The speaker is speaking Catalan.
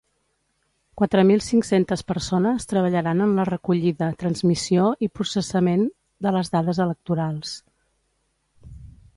Quatre mil cinc-centes persones treballaran en la recollida, transmissió i processament de les dades electorals.